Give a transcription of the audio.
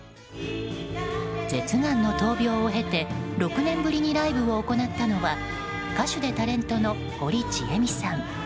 舌がんの闘病を経て６年ぶりにライブを行ったのは歌手でタレントの堀ちえみさん。